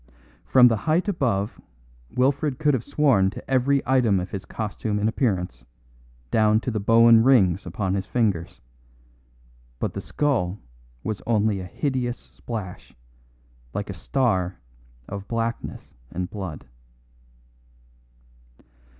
From the height above Wilfred could have sworn to every item of his costume and appearance, down to the Bohun rings upon his fingers; but the skull was only a hideous splash, like a star of blackness and blood.